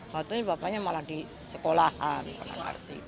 waktu ini bapaknya malah di sekolahan